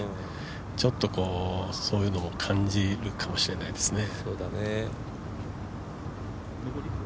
ちょっとそういうのも感じるかもしれないですね。